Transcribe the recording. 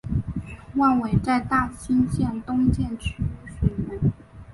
万炜在大兴县东建曲水园。